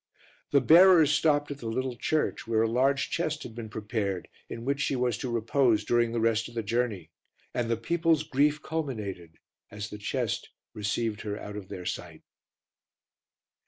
The bearers stopped at the little church, where a large chest had been prepared in which she was to repose during the rest of the journey, and the people's grief culminated as the chest received her out of their sight.